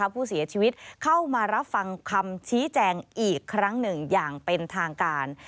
ผู้เสียชีวิตเข้ามารับฟังคำชี้แจงอีกครั้งหนึ่งอย่างเป็นทางการ